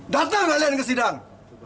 datang kalian ke sidang